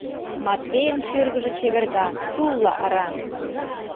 Матвейын шӱргыжӧ чеверга, тулла ыра.